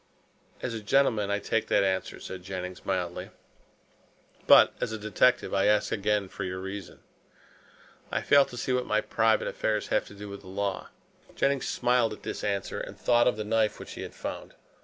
"As a gentleman, I take that answer," said Jennings mildly, "but as a detective I ask again for your reason." "I fail to see what my private affairs have to do with the law." Jennings smiled at this answer and thought of the knife which he had found.